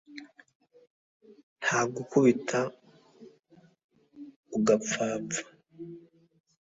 nta gukubita ugaphapfa